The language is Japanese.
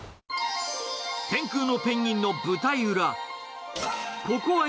天空のペンギンの舞台裏。